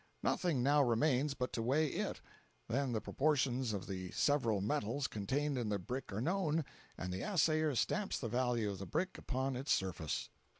Nothing now remains but to weigh it; then the proportions of the several metals contained in the brick are known, and the assayer stamps the value of the brick upon its surface.